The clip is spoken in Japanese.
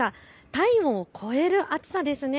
体温を超える暑さですね。